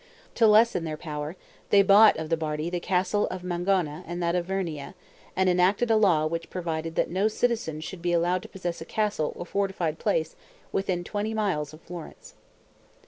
To lessen their power, they bought of the Bardi the castle of Mangona and that of Vernia; and enacted a law which provided that no citizen should be allowed to possess a castle or fortified place within twenty miles of Florence.